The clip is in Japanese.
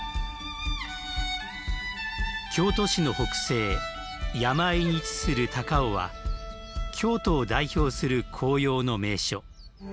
京都市の北西山あいに位置する高雄は京都を代表する紅葉の名所。